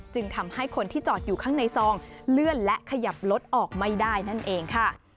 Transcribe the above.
จึงทำให้คนที่จอดอยู่ข้างในซองเลื่อนและขยับรถออกไม่ได้นั่นเองค่ะ